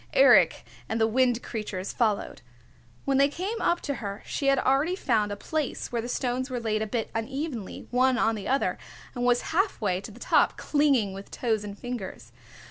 Eric and the Wind Creatures followed. When they came up to her she had already found a place where the stones were laid a bit unevenly, one on the other, and was half way to the top, clinging with toes and fingers.